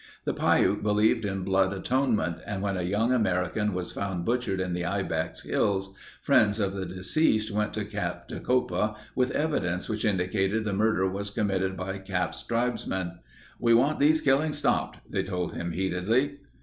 The Piute believed in blood atonement and when a young American was found butchered in the Ibex hills, friends of the deceased went to Cap Tecopa with evidence which indicated the murder was committed by Cap's tribesmen. "We want these killings stopped," they told him heatedly.